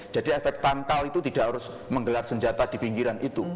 jadi efek tangkal itu tidak harus menggelar senjata di pinggiran itu